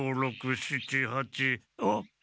あっ？